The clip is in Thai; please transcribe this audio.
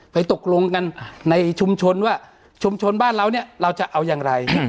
ตกลงกันในชุมชนว่าชุมชนบ้านเราเนี่ยเราจะเอาอย่างไร